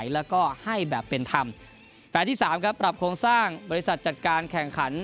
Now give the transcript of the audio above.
และปรับโครงสร้างบริษัทจัดการแข่งขัน